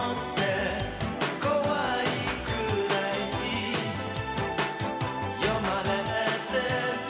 「こわいくらい読まれてる」